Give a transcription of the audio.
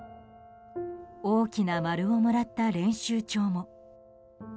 大きな丸をもらった練習帳も。